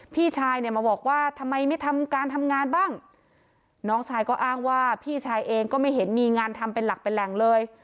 พี่ชายเนี่ยมาบอกว่าทำไมไม่ทำการทำงานบ้างน้องชายก็อ้างว่าพี่ชายเองก็ไม่เห็นมีงานทำเป็นหลักเป็นแหล่งเลย